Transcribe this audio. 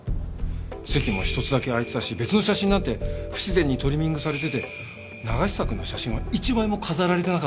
席も１つだけ空いてたし別の写真なんて不自然にトリミングされてて永久くんの写真は一枚も飾られてなかったんだから。